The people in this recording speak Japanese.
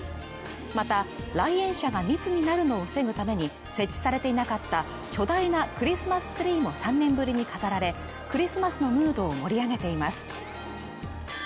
また来園者が密になるのを防ぐために設置されていなかった巨大なクリスマスツリーも３年ぶりに飾られクリスマスのムードを盛り上げています